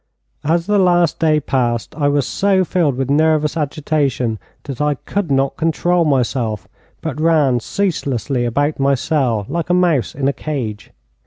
As the last day passed, I was so filled with nervous agitation that I could not control myself, but ran ceaselessly about my cell, like a mouse in a cage.